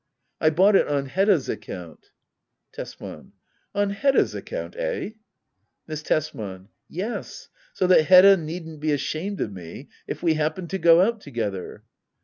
I bought it on Hedda's account. Tesman. On Hedda's account ? £h ? Miss Tesman. Yes, so that Hedda needn't be ashamed of me if we happened to go out together.